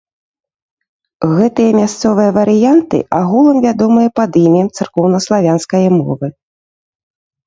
Гэтыя мясцовыя варыянты агулам вядомыя пад імем царкоўнаславянскае мовы.